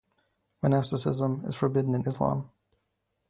Monasticism is forbidden in Islam.